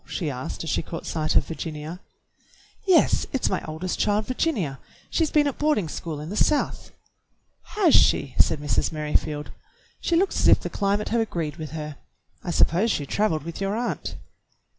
she asked as she caught sight of Virginia. "Yes, it's my oldest child, Virginia. She's been at boarding school in the South." "Has she.?" said Mrs. Merrifield. "She looks as if the climate had agreed with her. I suppose she traveled with your aunt."